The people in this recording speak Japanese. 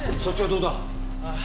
そっちはどうだ？